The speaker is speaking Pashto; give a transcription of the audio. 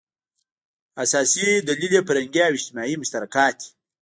اساسي دلیل یې فرهنګي او اجتماعي مشترکات دي.